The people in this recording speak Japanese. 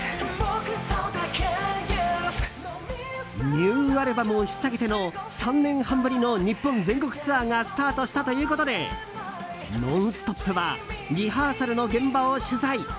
ニューアルバムを引っ提げての３年半ぶりの日本全国ツアーがスタートしたということで「ノンストップ！」はリハーサルの現場を取材。